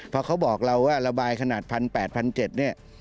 พอเขาบอกเราว่าระบายขนาด๑๘๐๐๑๗๐๐นิดนิด